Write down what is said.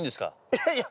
いやいや。